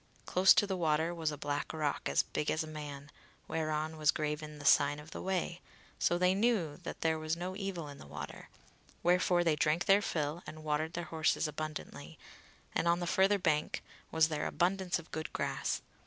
Close to the water was a black rock, as big as a man, whereon was graven the sign of the way, so they knew that there was no evil in the water, wherefore they drank their fill and watered their horses abundantly, and on the further bank was there abundance of good grass.